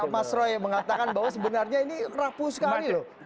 mas roy mengatakan bahwa sebenarnya ini rapuh sekali loh